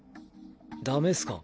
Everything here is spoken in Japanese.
ダメすか？